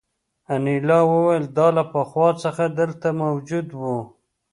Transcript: انیلا وویل دا له پخوا څخه دلته موجود وو